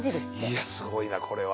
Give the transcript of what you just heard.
いやすごいなこれは。